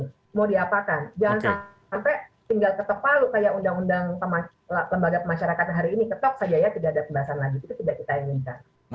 itu sudah kita inginkan